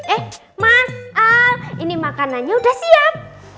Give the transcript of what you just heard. eh mas al ini makanannya udah siap